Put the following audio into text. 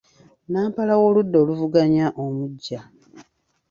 Nnampala w’oludda oluvuganya omuggya.